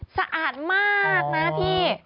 สะอาดมากนะพี่